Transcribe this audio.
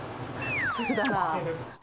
普通だなー。